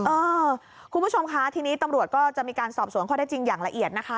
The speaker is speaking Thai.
เออคุณผู้ชมคะทีนี้ตำรวจก็จะมีการสอบสวนข้อได้จริงอย่างละเอียดนะคะ